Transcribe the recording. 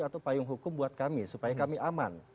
atau payung hukum buat kami supaya kami aman